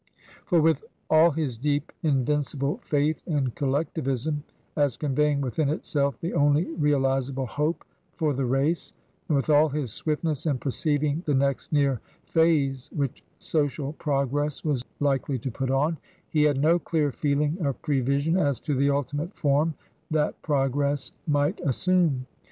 For with all his deep invincible faith in Collectivism, as conveying within itself the only realizable hope for the race, and with all his swiftness in perceiving the next near phase which Social Progress was likely to put on, he had no clear feeling of prevision as to the ultimate form that progress might assume.